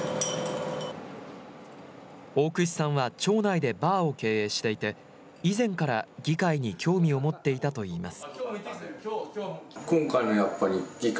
大櫛さんは町内でバーを経営していて以前から議会に興味を持っていたといいます。